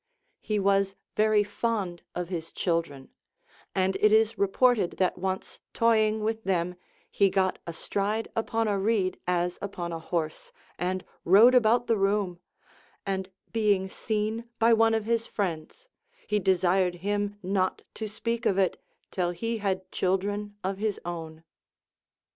He was very fond of his children ; and it is re ported that once toying with them he got astride upon a reed as upon a horse, and rode about the room ; and being seen by one of his friends, he desired him not to speak of it till he had children of his own.